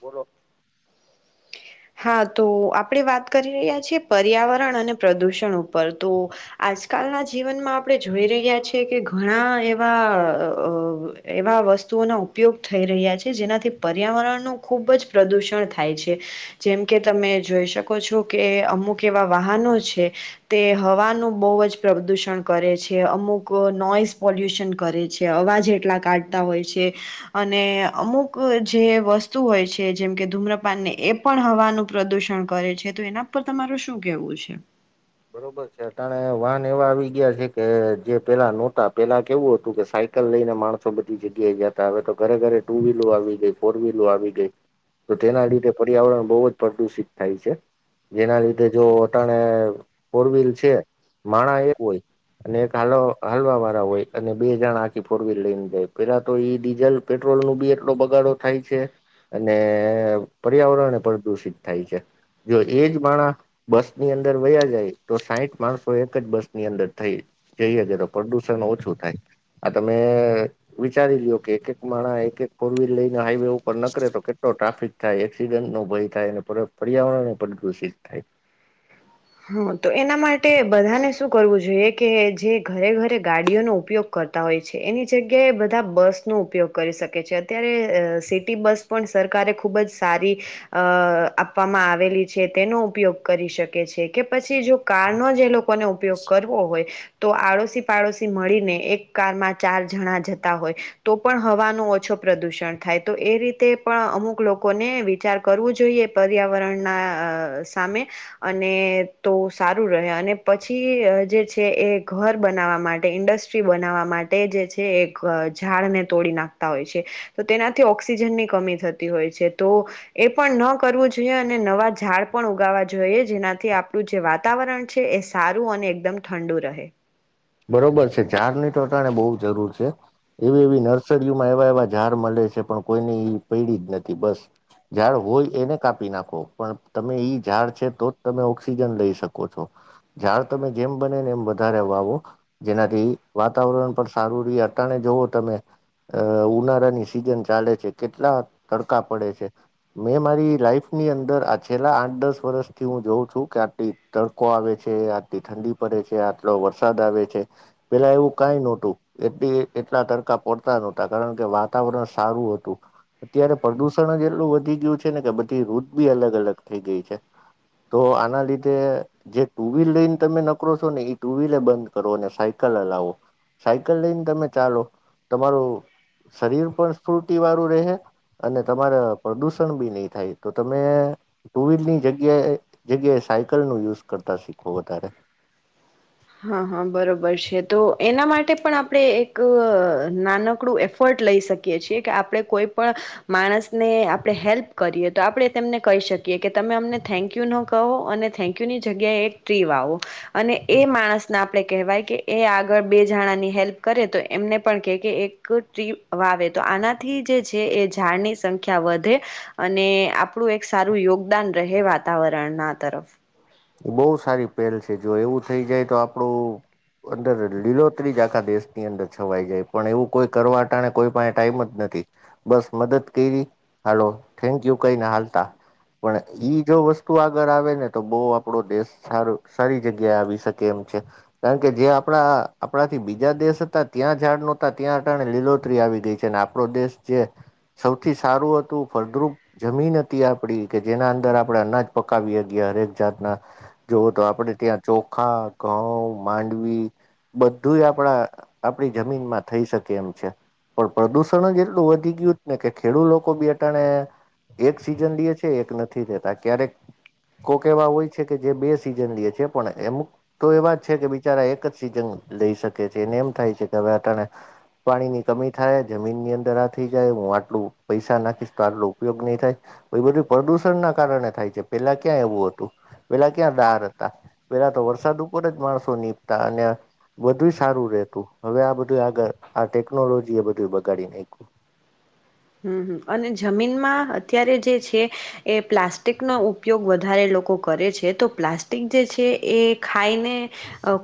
બર હા તો આપણે વાત કરી રહ્યા છીએ પર્યાવરણ અને પ્રદૂષણ ઉપર, તો આજકાલના જીવનમાં આપણે જોઈ રહ્યા છીએ કે ઘણા એવા એવા વસ્તુઓના ઉપયોગ થઈ રહ્યા છે જેનાથી પર્યાવરણનું ખુબ જ પ્રદુષણ થાય છે. જેમકે તમે જોઈ શકો છો કે અમુક એવા વાહનો છે, તે હવાનું બહુ જ પ્રદૂષણ કરે છે અમુક નોઇઝ પોલ્યુશન કરે છે અવાજ એટલા કાઢતા હોય છે, અને અમુક જે વસ્તુ હોય છે જેમકે ધૂમ્રપાનને એ પણ હવાનું પ્રદુષણ કરે છે તો એના પર તમારું શું કેવું છે? બરોબર છે અટણે વાહન એવા આવી ગયા છે કે, જે પેલા નહોતા પેલા કેવું હતું કે સાયકલ લઈને માણસો બધી જગ્યાએ જતા આવે તો ઘરે ઘરે ટુ વ્હીલો આવી ગઈ ફોર વ્હીલો આવી ગઈ તો તેના લીધે પર્યાવરણ બહુ જ પ્રદુષિત થાય છે, જેના લીધે જો અટણે ફોર વ્હીલ છે, માણા એ હોય અને એક હાલ હાલવા વાળા હોય અને બે જણા આખી ફોર વ્લ લઈને જાય પેલા તો ઈ ડીઝલ પેટ્રોલ નું બી એટલો બગાડો થાય છે, અને પર્યાવરણ પ્રદુષિત થાય છે, જો એજ માણા બસ ની અંદર વયા જાય તો સાઈઠ માણસો એક જ બસ ની અંદર થઈ જઈ હકે તો પ્રદુષણ ઓછું થાય, આ તમે વિચારી લ્યો કે એક એક માણા એક એક ફોર વ્હીલ લઈને હાઈવે ઉપર નકરે તો કેટલો ટ્રાફિક થાય એક્સિડન્ટ નો ભય થાય, પર્યાવરણ પ્રદુષિત થાય. હ, તો એના માટે બધાને શું કરવું જોઈએ કે જે ઘરે ઘરે ગાડીઓનો ઉપયોગ કરતા હોય છે, એની જગ્યાએ બધા બસનોો ઉપયોગ કરી શકે છે અત્યારે સિટી બસ પણ સરકારે ખુબ જ સારી અ આપવામાં આવેલી છે. તેનો ઉપયોગ કરી શકે છે. કે પછી જો કારનો જે લોકોને ઉપયોગ કરવો હોય તો આડોશી પાડોશી મળીને એક કારમાં ચાર જણા જતા હોય. તો પણ હવાનું ઓછો પ્રદૂષણ થાય તો એ રીતે પણ અમુક લોકોને વિચાર કરવો જોઈએ પર્યાવરણના સામે અને તો સારું રહે અને પછી જે છે એ ઘર બનાવવા માટે, ઇન્ડસ્ટ્રી બનાવવા માટે જે છે એ ઝાડને તોડી નાખતા હોય છે, તો તેનાથી ઓક્સિજનની કમી થતી હોય છે તો એ પણ ન કરવું જોઈએ અને નવા ઝાડ પણ ઉગાવા જોઈએ જેનાથી આપું જે વાતાવરણ છે એ સારું અને એકદમ ઠંડુ રહે. બરોબર છે ઝાડની તો તને બહુ જરૂર છે, એવી એવી નર્સરીઓમાં એવા એવા ઝાડ મળે છે પણ કોઈને પૈડી જ નથી બસ ઝાડ હોય એને કાપી નાખો પણ તમે ઈ ઝાડ છે તો જ તમે ઓક્સિજન લઈ શકો છો ઝાડ તમે જેમ બને ને એમ વધારે વાવો. જેનાથી વાતાવરણ પણ સારું ર અણે જોવો તમે ઉનાળાની સિઝન ચાલે છે, કેટલા તડકા પડે છે મેં મારી લાઈફની અંદર આ છેલ્લા આઠ દસ વર્ષથી હું જોઉં છું કે આટલી તડકો આવે છે, આટલી ઠંડી પડે છે, આટલો વરસાદ આવે છે. પેલા એવું કઈ નહોતું એ એટલા તરકા પડતા ન હોતા, કારણ કે વાતાવરણ સારું હતું અત્યારે પ્રદુષણ જ એટલું વધી ગયું છે ને કે બધી રુધ બી અલગ અલગ થઈ ગઈ છે. તો આના લીધે જે ટુ વ્હીલ લઈને તમે નકરો છો ને એ ટુ વ્લે બંધ કરો અને સાયકલ લવો સાયકલ લઈને તમે ચાલો તમારું શરીર પણ સ્ફૂર્તિ વાળું રહે અને તમારા પ્રદુષણ બી નહી થાય. તો તમે ટુ વ્હીલની જગ્યાએ જગ્યાએ સાયકલ નું યુઝ કરતા શીખો વધારે. હા હા બરોબર છે તો એના માટે પણ આપણે એક નાનકડું એફર્ટ લઈ શકીએ છીએ કે આપણે કોઈ પણ માણસને આપણે હેલ્પ કરીએ તો આપણે તેમને કહી શકીએ કે તમે અમને થેન્ક યુ ન કહો અને થેન્કયુની જગ્યાએ એક ટ્રી આવો અને એ માણસને આપણે કહેવાય કે એ આગળ બે જણાની હેલ્પ કરે તો એમને પણ કે કે એક ટ્રી વાવે તો આનાથી જે છે એ ઝાડની સંખ્યા વધે અને આપણું એક સારું યોગદાન રહે વાતાવરણના તરફ. બહુ સારી પહેલ છે જો એવું થઈ જાય તો આપણું અંદર લીલોત્રી જ આખા દેશની અંદર છવાઈ જાય, પણ એવું કોઈ કરવા ટાણે કોઈ પણ ટાઈમ જ નથી બસ મદદ કરી હાલો થેન્ક યુ કઈ ને હાલતા પણ ઈ જો વસ્તુ આગળ આવે ને તો બો આપણો દેશ સારું સારી જગ્યાએ આવી શકે એમ છે, કારણ કે જે આપણા આપણાથી બીજા દેશ હતા ત્યાં ઝાડ નોતા ત્યાં અટાણે લીલોતરી આવી ગઈ છે અને આપણો દેશ જે સૌથી સારું હતું ફળદ્રુપ જમીન હતી આપડી કે જેના અંદર આપણે અનાજ પકાવી ગયા હરેક જાતના જોવ તો આપણે ત્યાં ચોખા, ઘઉં, માંડવી બધું આપણા આપડી જમીનમાં થઈ શકે એમ છે, પણ પ્રદુષણ જ એટલું વધી ગયું જ ને કે ખેડૂત લોકો બી અટાણે એક સીઝન લે છે, એક નથી રહેેતા ક્યારેક કોક એવા હોય છે જે કે બે સિઝન લઈ છે પણ અમુક તો એવા જ છે કે બિચારા એક જ સીઝન લઈ શકે છે એને એમ થાય છે કે અટાણે પાણીની કમી થાય જમીનની અંદર આ થઈ જાય હું આટલું પૈસા નાખીશ તો આટલો ઉપયોગ નહી થાય, બધું પ્રદુષણ ના કારણે થાય છે પેલા ક્યાં એવું હતું. પેલા ક્યાં ડાર હતા પેલા તો વરસાદ ઉપર જ માણસો નીપતા અને બધું સારું રતું હવે આ બધું આગળ આ ટેકનોલોજી એ બધું બગાડી નાખ્યું. હમ અને જમીનમાં અત્યારે જે છે એ પ્લાસ્ટિકનો ઉપયોગ વધારે લોકો કરે છે, તો પ્લાસ્ટિક જે છે એ ખાઈને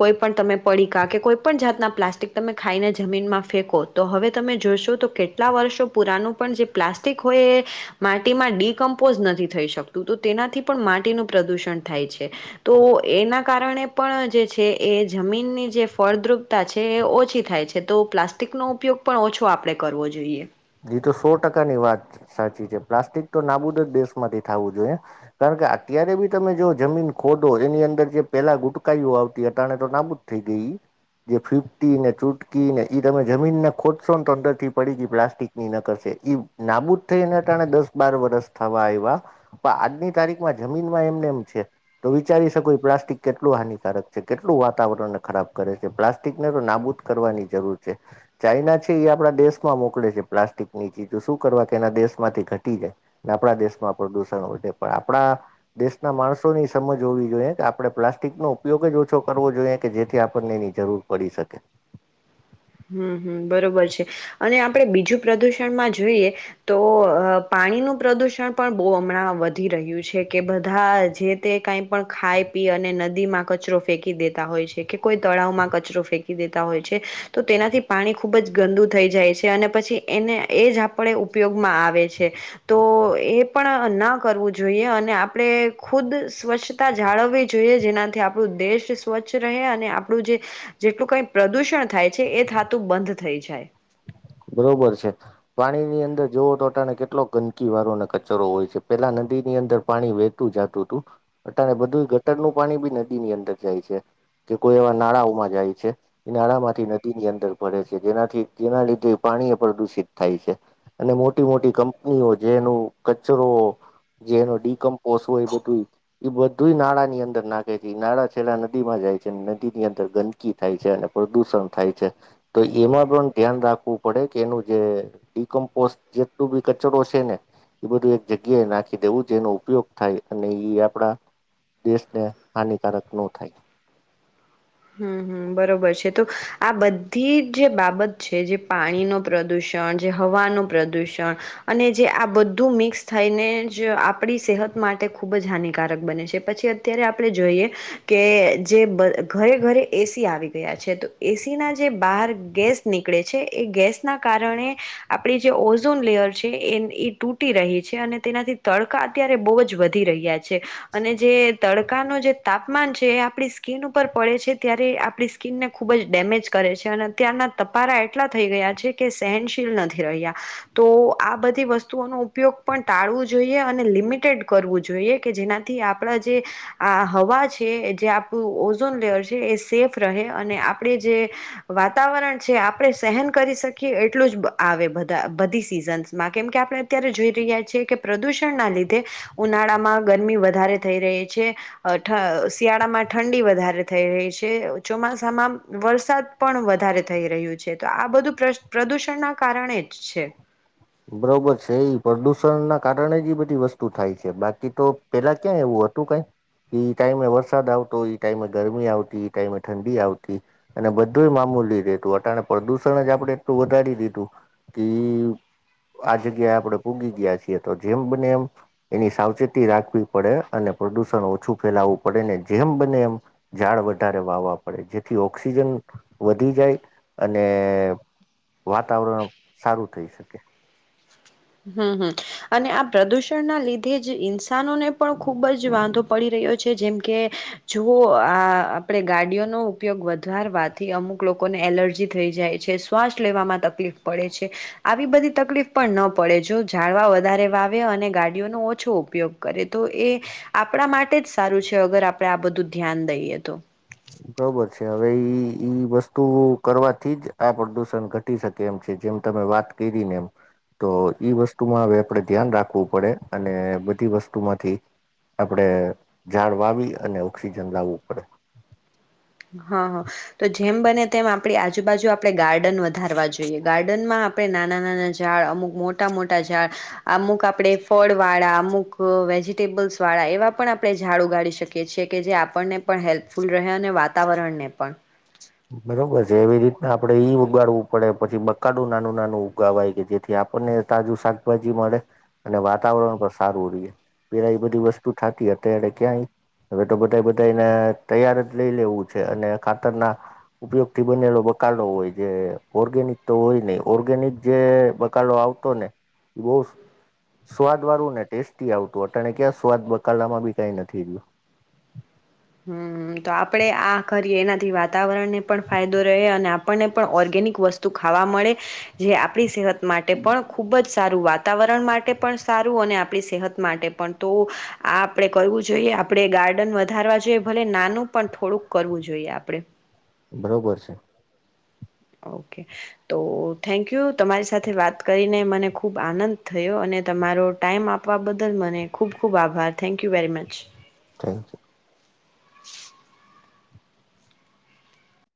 કોઈ પણ તમે પડીકા કે કોઈ પણ જાતના પ્લાસ્ટિક તમે ખાઈને જમીનમાં ફેંકો તો હવે તમે જોશો તો કેટલા વર્ષો પુરાનું પણ જે પ્લાસ્ટિક હોય એ માટીમાં ડડીિકમ્પોઝ નથી થઈ શકતું તો તેનાથી પણ માટીનું પ્રદૂષણ થાય છે, તો એના કારણે પણ જે છે એ જમીનની જે ફળદ્રુપતા છે એ ઓછી થાય છે તો પ્લાસ્ટિકનો ઉપયોગ પણ ઓછો આપણે કરવો જોઈએ. એ તો સો ટકાની વાત સાચી છે પ્લાસ્ટિક તો નાબૂદ જ દેશ માંથી થવું જોઈએ કારણ કે અત્યારે બી તમે જો જમીન ખોદો એની અંદર જે પેલા ગુટકાઈઓ આવતી અ તણે તો નાબૂદ થઈ ગઈ જે ફીફતી ને ચૂટકી ને એ તમે જમીનને ખોદશો ને તો અંદર થી પડી ગઈ પ્લાસ્ટિક નાબૂદ થઈ એને કારણે દસ બાર વરષ થવા આવ્યા પણ આજની તારીખમાં જમીનમાં એમને એમ છે તો વિચારી શકો પ્લાસ્ટિક કેટલું હાનિકારક છે કેટલું વાતાવરણને ખરાબ કરે છે પ્લાસ્ટિકને તો નાબૂદ કરવાની જરૂર છે. ચાઈના છે એ આપડા દેશમાં મોકલે છે. પ્લાસ્ટિકની ચીજો શું કરવા કે એના દેશ માંથી ઘટી જાય આપણા દેશમાં પ્રદુષણ વધે પણ આપણા દેશના માણસો ની સમજ હોવી જોઈએ કે આપણે પ્લાસ્ટિકનો ઉપયોગ જ ઓછો કરવો જોઈએ કે જેથી આપણને એની જરૂર પડી શકે. હમ હમ બરોબર છે, અને આપણે બીજું પ્રદુષણમાં જોઈએ તો પાણીનું પ્રદુષણ પણ બહુ હમણાં વધી રહ્યું છે કે બધા જે તે કઈ પણ ખાય પી અને નદીમાં કચરો ફેંકી દેતા હોય છે, કે કોઈ તળાવમાં કચરો ફેંકી દેતા હોય છે. તો તેનાથી પાણી ખૂબ જ ગંદુ થઈ જાય છે અને પછી એને એ જ આપણે ઉપયોગમાં આવે છે તો એ પણ ના કરવું જોઈએ અને આપણે ખુદ સ્વચ્છતા જાળવવી જોઈએ જેનાથી આપણું દેશ સ્વચ્છ રહે અને આપણું જે જેટલું કંઈ પ્રદૂષણ થાય છે એ થાતું બંધ થઈ જાય. બરોબર છે પાણીની અંદર જવો તો અટાણે કેટલો ગંદકી વાળ અને કચરો હોય છે પેલા નદી ની અંદર પાણી વહેતું જતું હતું અટણે બધું ગટરનું પાણી બી નદી ની અંદર જાય છે કે કોઈ એવા નાળાઓમાં જાય છે એ નાળા માંથી નદી ની અંદર ભરેે છે જેનાથી જેના લીધે. પાણી એ પ્રદુષિત થાય છે અને મોટી મોટી કંપનીઓ જેનું કચરો જેનો ડીિકમ્પોસ હોય એ બધું એ બધું નાળા ની અંદર નાખે છે એ નાળા છેલ્લા નદીમાં જાય છે નદી ની અંદર ગંદકી થાય છે અને પ્રદુષણ થાય છે તો એમાં પણ ધ્યાન રાખવું. પડે કે એનું જે ડીિકમ્પોસ્ટ જેટલું બી કચરો છે ને એ બધું એક જગ્યાએ નાખી દેવું જેનો ઉપયોગ થાય અને એ આપડા દેશને હાનિકારક ન થાય. હ બરાબર છે તો આ બધી જે બાબત છે જે પાણીનું પ્રદૂષણ જે હવાનું પ્રદૂષણ અને જે આ બધું મિક્સ થઈને જ આપણી સેહત માટે ખૂબ જ હાનિકારક બને છે પછી અત્યારે આપણે જોઈએ કે જે ઘરે ઘરે. એસી આવી ગયા છે તો એસી ના જે બહાર ગેસ નીકળે છે એ ગેસના કારણે આપડી જે ઓઝોન લેયર છે એ એ તૂટી રહી છે અને તેનાથી તડકા અત્યારે બહુ જ વધી રહ્યા છે. અને જે ત કા નો જે તાપમાન છે એ આપણી સ્કીન ઉપર પડે છે. ત્યારે આપણી સ્કીિનને ખૂબ જ ડેમેજ કરે છે અને અત્યારના તપારા એટલા થઈ ગયા છે કે સહનશીલ નથી રહ્યા તો આ બધી વસ્તુઓનો ઉપયોગ પણ ટાળવું જોઈએ અને લિમિટેડ કરવું જોઈએ કે જેનાથી આપણા જે આ હવા છે જે આપણું ઓઝોન લેયર. એ સેફ રહે અને આપણે જે વાતાવરણ છે આપણે સહન કરી શકીએ એટલું જ આવે બધી સીઝન્સમાં કેમકે આપણે અત્યારે જોઈ રહ્યા છીએ કે પ્રદૂષણના લીધે ઉનાળામાં ગરમી વધારે થઈ રહી છે શિયાળામાં ઠંડી વધારે. થઈ રહી છે ચોમાસામાં વરસાદ પણ વધારે થઈ રહ્યું છે તો આ બધું પ્રદુષણના કારણે જ છે. બરોબર છે એ પ્રદુષણના કારણે જ એ બધી વસ્તુ થાય છે બાકી તો પેલા ક્યાં એવું હતું ઈ ટાઈમે વરસાદ આવતો ઈ ટાઈમે ગરમી આવતી ઈ ટાઈમે ઠંડી આવતી અને બધું મામૂલી રહેેતું અટ પ્રદુષણ જ આપણે એટલું વધારી દીધું કે. આ જગ્યાએ આપણે ભૂગી ગયા છીએ તો જેમ બને એમ એની સાવચેતી રાખવી પડે અને પ્રદુષણ ઓછું ફેલાવવું પડે ને જેમ બને એમ ઝાડ વધારે વાવવા પડે જેથી ઓક્સિજન વધી જાય અને વાતાવરણ સારું થઈ શકે. હમ હમ અને આ પ્રદુષણના લીધે જ ઇન્સાનોને પણ ખૂબ જ વાંધો પડી રહ્યો છે જેમ કે જો આ આપણેે ગાડીઓનો ઉપયોગ વધારવાથી અમુક લોકોને એલર્જી થઈ જાય છે શ્વાસ લેવામાં તકલીફ પડે છે આવી બધી તકલીફ પણ ન. પડે જો જાળવા વધારે વાવે અને ગાડીઓનો ઓછો ઉપયોગ કરે તો એ આપણા માટે જ સારું છે અગર આપણે આ બધું ધ્યાન દઈએ તો. બરોબર છે હવે ઈ વસ્તુ કરવાથી જ આ પ્રદુષણ ઘટી શકે એમ છે જેમ તમે વાત કરી ને એમ તો ઈ વસ્તુમાં હવે આપણે ધ્યાન રાખવું પડે અને બધી વસ્તુમાંથી આપણેે ઝાડ વાવી અને ઓક્સિજન લાવવું પડે. હા હ તો જેમ બને તેમ આપણી આજુબાજુ આપણે ગાર્ડન વધારવા જોઈએ ગાર્ડનમાં આપણે નાના નાના ઝાડ અમુક મોટા મોટા ઝાડ અમુક આપણેે ફળ વાળા અમુક વેજીિટેબલ્સ વાળા એવા પણ આપણે ઝાડ ઉગાડી શકીએ છીએ કે જે આપણને પણ હેલ્પફુલ રહે અને વાત. વાતાવરણને પણ. બરોબર છે એવી રીતના આપડે ઈ ઉગાડવું પડે પછી બકાડું નાનું નાનું ઉગાવાય કે જેથી આપણને તાજું શાકભાજી મળે અને વાતાવરણ પણ સારું રએ પેલા એ બધી વસ્તુ થતી અત્યારે ક્યાંય હવે તો બધા બધાને તૈયાર જ લઈ લેવું છે અને ખાતરના. ઉપયોગ થી બનેલો બકાલો હોય જે ઓર્ગેનિક તો હોય નહ ઓર્ગેનિક જે બકાલોો આવતો ને એ બહુ સ્વાદ વાળું ને ટેસ્ટી આવતું અટણે ક્યાં સ્વાદ બકાલા માં બી કઈ નથી રહું. હમ તો આપણે આ કરીએ એનાથી વાતાવરણને પણ ફાયદો રહે અને આપણને પણ ઓર્ગેનિક વસ્તુ ખાવા મળે જે આપણી સહત. માટે પણ ખૂબ જ. સારું વાતાવરણ માટે પણ સારું અને આપણી સેહત માટે પણ તો આ આપણે કરવું જોઈએ આપણે ગાર્ડન વધારવા. આજે ભલે નાનું પણ થોડુંક કરવું જોઈએ આપડે. બરોબર છે. ઓકે તો થેન્કયુ તમારી સાથે વાત કરીને મને ખૂબ આનંદ થયો અને તમારો ટાઈમ આપવા બદલ મને ખૂબ ખૂબ આભાર thank you very much. Thank y.